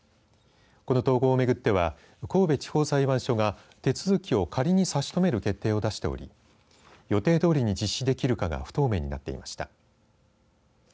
この統合をめぐっては神戸地方裁判所が手続きを仮に差し止める決定を出しており予定どおりに実施できるかが不透明になっていました。